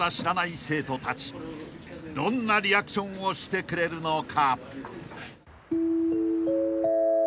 ［どんなリアクションをしてくれるのか？］